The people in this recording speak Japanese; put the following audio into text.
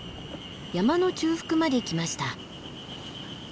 山の中腹まで来ました。